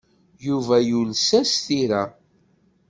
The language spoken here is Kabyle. Yuba yules-as tira.